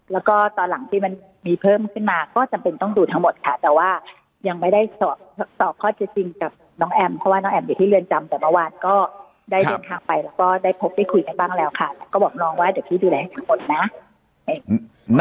แล้วก็ตอนหลังที่มันมีเพิ่มขึ้นมาก็จำเป็นต้องดูทั้งหมดค่ะแต่ว่ายังไม่ได้สอบสอบข้อเท็จจริงกับน้องแอมเพราะว่าน้องแอมอยู่ที่เรือนจำแต่เมื่อวานก็ได้เดินทางไปแล้วก็ได้พบได้คุยกันบ้างแล้วค่ะแล้วก็บอกน้องว่าเดี๋ยวพี่ดูแลให้ทุกคนนะ